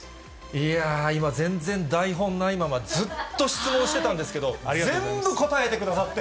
いやー、今、全然台本ないまま、ずっと質問してたんですけど、全部答えてくださって。